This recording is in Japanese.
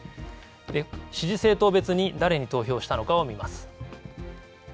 支持政党別に誰に投票したのかを見ます。